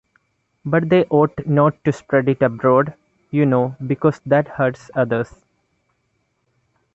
But they ought not to spread it abroad, you know, because that hurts others.